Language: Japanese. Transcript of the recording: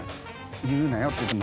「言うなよ」って言っても。